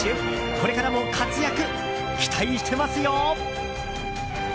これからも活躍期待してますよ！